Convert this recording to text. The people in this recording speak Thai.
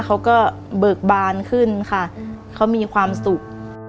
เบิกบานขึ้นค่ะเขามีความสุข